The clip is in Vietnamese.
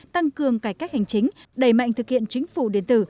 tăng cường cải cách hành chính đẩy mạnh thực hiện chính phủ điện tử